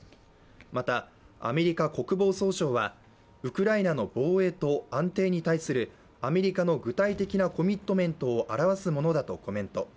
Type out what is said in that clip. またアメリカ国防総省はウクライナの防衛と安定に対するアメリカの具体的なコミットメントを表すものだとコメント。